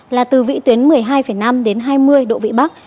là từ vị tuyến một mươi hai năm đến hai mươi độ vị bắc